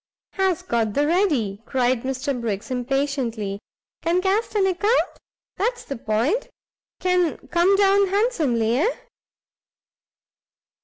"Has got the ready?" cried Mr Briggs, impatiently; "can cast an account? that's the point; can come down handsomely? eh?"